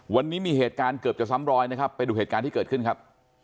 วันนี้มีเหตุการณ์เกือบจะซ้ำรอยนะครับไปดูเหตุการณ์ที่เกิดขึ้นครับ